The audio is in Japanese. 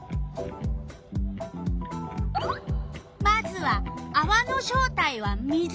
まずは「あわの正体は水」。